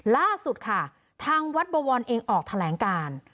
ล่าสุดค่ะทางวัดบวรเองออกแถลงการ